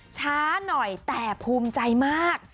ช้าหน่อยแต่ภูมิใจมาก